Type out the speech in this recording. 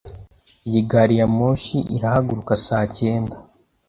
Iyi gari ya moshi irahaguruka saa cyenda.